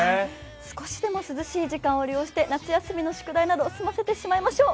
少しでも涼しい時間を利用して夏休みの宿題など、済ませてしまいましょう。